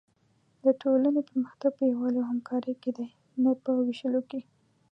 د ټولنې پرمختګ په یووالي او همکارۍ کې دی، نه په وېشلو کې.